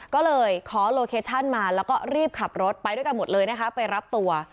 ก็เลยขอโลเคชั่นมาแล้วก็รีบขับรถไปด้วยกันหมดเลยนะคะไปรับตัว